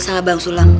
salah bang sulam